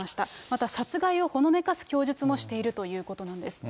また、殺害をほのめかす供述もしているということなんです。